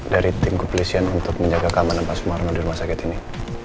dari tim kepolisian untuk menjaga keamanan pak sumarno di rumah sakit ini